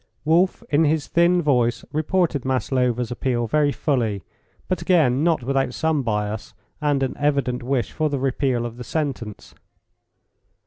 Wolf, in his thin voice, reported Maslova's appeal very fully, but again not without some bias and an evident wish for the repeal of the sentence.